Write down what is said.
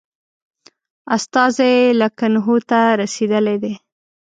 استازی لکنهو ته رسېدلی دی.